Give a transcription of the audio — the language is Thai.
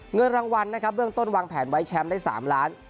เงินรางวัลนะครับเบื้องต้นวางแผนไว้แชมป์ได้๓ล้าน